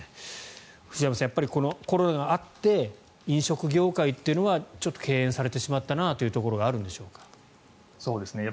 藤山さん、コロナがあって飲食業界というのはちょっと敬遠されてしまったところがあるんでしょうか。